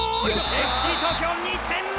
ＦＣ東京２点目！